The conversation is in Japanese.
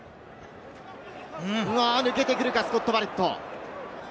抜けてくるか、スコット・バレット。